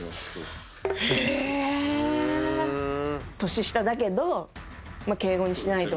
年下だけど敬語にしないと。